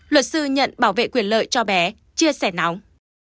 luật sư nhận bảo vệ quyền lợi cho bé chia sẻ nóng